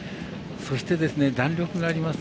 そして、弾力があります。